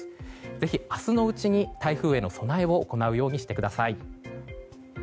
ぜひ、明日のうちに台風への備えを行うようにしてください。